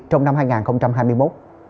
trong năm hai nghìn hai mươi một